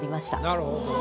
なるほどね。